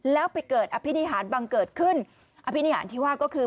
แล้วไปเกิดอภินิหารบังเกิดขึ้นอภินิหารที่ว่าก็คือ